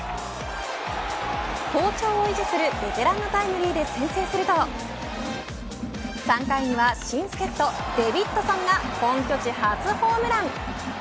好調を維持するベテランのタイムリーで先制すると３回には新助っ人デビッドソンが本拠地初ホームラン。